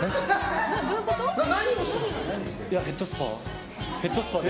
ヘッドスパで。